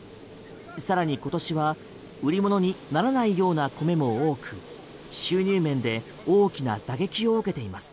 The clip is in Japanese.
さらに今年は売り物にならないような米も多く収入面で大きな打撃を受けています。